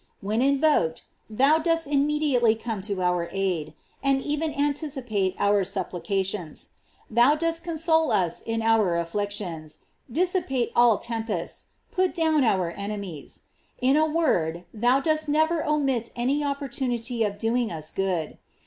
When invoked, thou dost immediately come to our aid, and even anticipate our supplications ; thou dost console us in our afflictions, dissipate all tempests, put down our enemies; in a word, thou dost never omit an opportunity of doing us good.